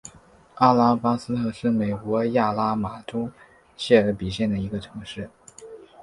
阿拉巴斯特是美国亚拉巴马州谢尔比县的一个城市。